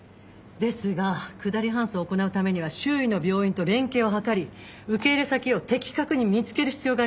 ですがくだり搬送を行うためには周囲の病院と連携を図り受け入れ先を的確に見つける必要があります。